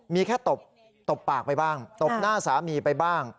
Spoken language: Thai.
มีแค่ตบตบปากไปบ้างตบหน้าสามีไปบ้าง